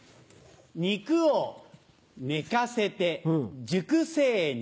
「肉」を寝かせて熟成肉。